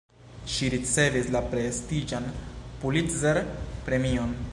Ŝi ricevis la prestiĝan Pulitzer-premion.